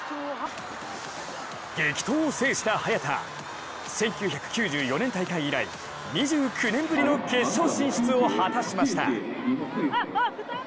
激闘を制した早田１９９４年大会以来２９年ぶりの決勝進出を果たしました。